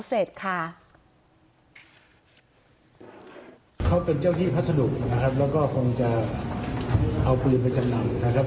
ซึ่งก็ตอนนั้นก็ไม่เคยรู้นะครับก็เริ่มรู้มาไม่นานนะครับ